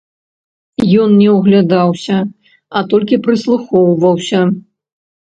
Ён не ўглядаўся, а толькі прыслухоўваўся.